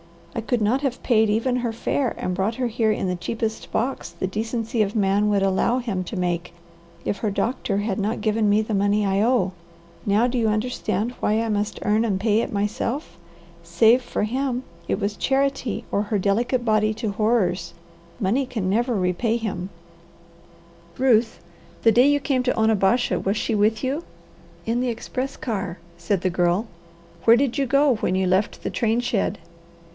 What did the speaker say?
I could not have paid even her fare and brought her here in the cheapest box the decency of man would allow him to make if her doctor had not given me the money I owe. Now do you understand why I must earn and pay it myself? Save for him, it was charity or her delicate body to horrors. Money never can repay him." "Ruth, the day you came to Onabasha was she with you?" "In the express car," said the Girl. "Where did you go when you left the train shed?"